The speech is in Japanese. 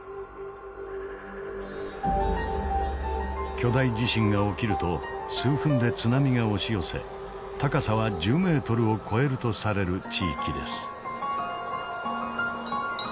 巨大地震が起きると数分で津波が押し寄せ高さは１０メートルを超えるとされる地域です。